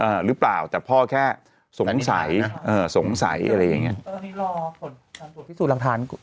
อ่าหรือเปล่าแต่พ่อแค่สงสัยสงสัยอะไรอย่างเงี้ยตอนนี้รอผสมสูตรพิสูจน์รางทาน